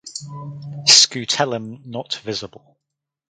Scutellum not visible.